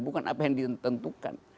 bukan apa yang ditentukan